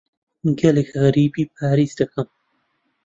گەلێک غەریبی پاریس دەکەم.